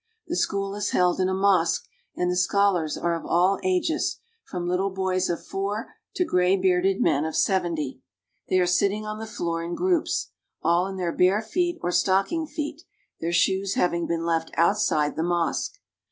The school is held in a mosque, and the scholars are of all ages, from little boys of four to gray bearded men of seventy. They are sitting on the floor in groups, all in their bare feet or stocking feet, their shoes having been left outside the mosque.